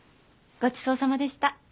ごちそうさまでした。